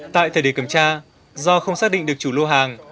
tại thời điểm kiểm tra do không xác định được chủ lô hàng